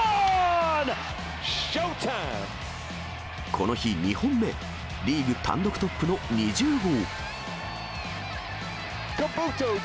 この日２本目、リーグ単独トップの２０号。